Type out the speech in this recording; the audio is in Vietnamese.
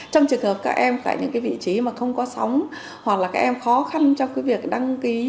trong trường hợp các em tại những vị trí mà không có sóng hoặc là các em khó khăn trong cái việc đăng ký